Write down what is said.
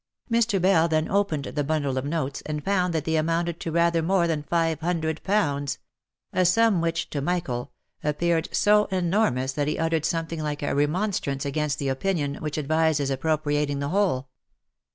Mr. Bell then opened the bundle of notes, and found that they amounted to rather more than five hundred pounds ; a sum which, to Michael, appeared so enormous that he uttered. something like a remonstrance against the opinion which advised his appropriating the whole.